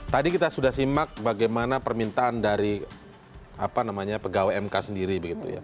tadi kita sudah simak bagaimana permintaan dari pegawai mk sendiri